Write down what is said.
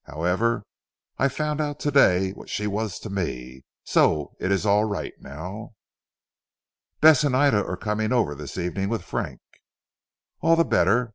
However I found out to day what she was to me, so it is all right now." "Bess and Ida are coming over this evening with Frank." "All the better.